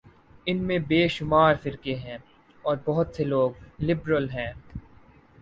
ان میں بے شمار فرقے ہیں اور بہت سے لوگ لبرل ہیں۔